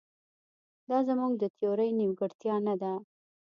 دا زموږ د تیورۍ نیمګړتیا نه ده.